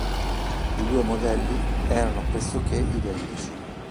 I due modelli erano pressoché identici.